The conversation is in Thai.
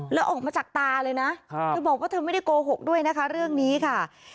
แล้วออกมาจากตาเลยนะเธอบอกว่าเธอไม่ได้โกหกด้วยนะคะเรื่องนี้ค่ะ